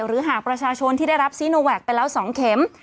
หรือหากประชาชนที่ได้รับซีโนแวคไปแล้ว๒เข็ม